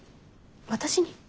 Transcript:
私に？